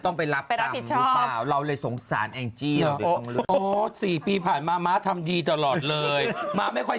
ต้องไปรับปรับการเราเลยสงสารอังกฎิอ๋อสี่ปีผ่านมามาทำดีตลอดเลยมาไม่ค่อย